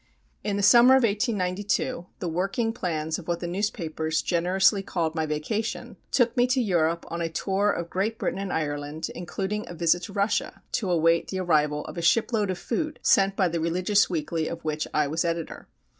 In the summer of 1892 the working plans of what the newspapers generously called my vacation took me to Europe on a tour of Great Britain and Ireland, including a visit to Russia, to await the arrival of a ship load of food sent by the religious weekly of which I was editor.